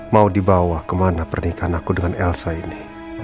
mau dibawa kemana pernikahan aku dengan elsa ini